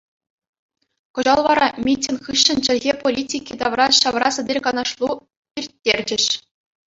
Кӑҫал вара митинг хыҫҫӑн чӗлхе политики тавра ҫавра сӗтел-канашлу ирттерчӗҫ.